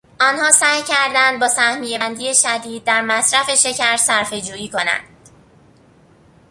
آنها سعی کردند با سهمیه بندی شدید، در مصرف شکر صرفهجویی کنند.